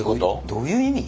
どういう意味？